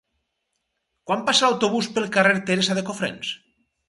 Quan passa l'autobús pel carrer Teresa de Cofrents?